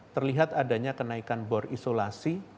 terlihat adanya kenaikan bor isolasi